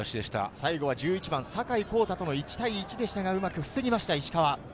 最後は１１番・坂井航太との１対１ですが、うまく防ぎました、石川。